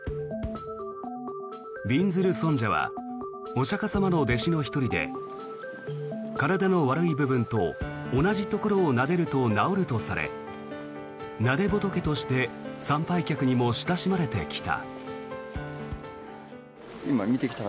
びんずる尊者はお釈迦様の弟子の１人で体の悪い部分と同じところをなでると治るとされなで仏として参拝客にも親しまれてきた。